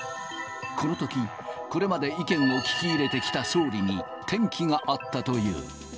このとき、これまで意見を聞き入れてきた総理に転機があったという。